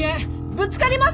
ぶつかります！